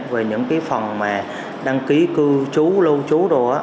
về những phần đăng ký cư chú lâu chú